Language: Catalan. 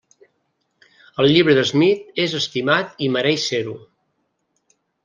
El llibre de Smith és estimat i mereix ser-ho.